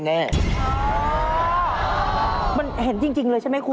มันเห็นจริงเลยใช่ไหมคุณ